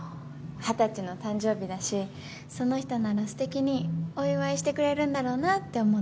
二十歳の誕生日だしその人なら素敵にお祝いしてくれるんだろうなぁって思って。